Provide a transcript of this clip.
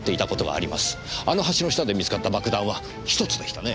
あの橋の下で見つかった爆弾は１つでしたね？